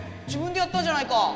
自分でやったんじゃないか！